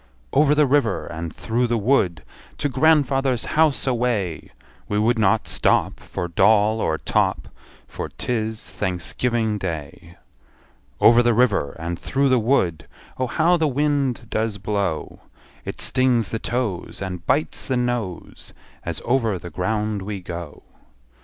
Over the river, and through the wood, To grandfather's house away! We would not stop For doll or top, For 't is Thanksgiving Day. Over the river, and through the wood, Oh, how the wind does blow! It stings the toes, And bites the nose, As over the ground we go.